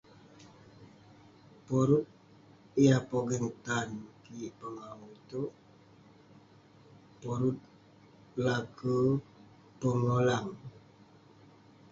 Porut yah pogeng tan kik pengawu itouk, porut laker pengolang.